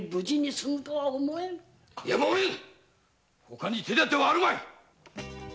やむをえぬほかに手だてはあるまい。